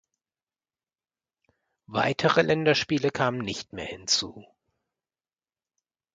Weitere Länderspiele kamen nicht mehr hinzu.